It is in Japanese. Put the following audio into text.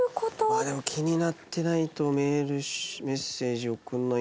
まあでも気になってないとメールメッセージ送らないかな。